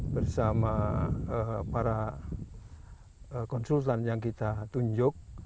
bersama para konsultan yang kita tunjuk